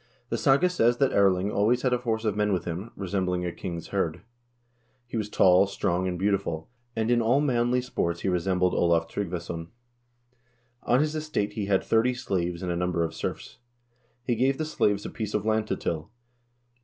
The saga says that Erling always had a force of men with him, resembling a king's hird. He was tall, strong, and beautiful ; and in all manly sports he resembled Olav Tryggvason. On his estate he had thirty slaves and a number of serfs. He gave the slaves a piece of land to till.